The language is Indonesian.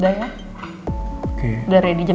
udah ready jam sepuluh bisa kamu ambil di kantor majalah kapel